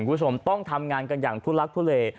คุณผู้ชมต้องทำงานกันอย่างทุลักทุเล